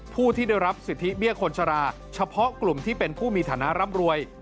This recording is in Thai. ผู้ที่ได้รับสิทธิเบี้ยคนชราเฉพาะกลุ่มที่เป็นผู้มีฐานะร่ำรวย